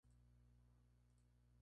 Su cabecera es Villa Matamoros.